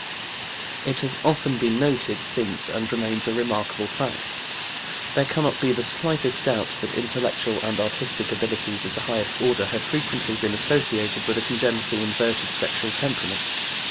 " It has often been noted since and remains a remarkable fact. There cannot be the slightest doubt that intellectual and artistic abilities of the highest order have frequently been associated with a congenitally inverted sexual temperament.